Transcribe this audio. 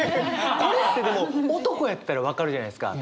これってでも男やったら分かるじゃないですか。